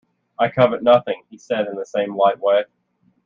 "I covet nothing," said he in the same light way.